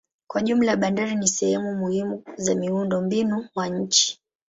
Kwa jumla bandari ni sehemu muhimu za miundombinu wa nchi.